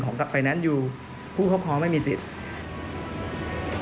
กระบริษัทไฟแนนซ์อยู่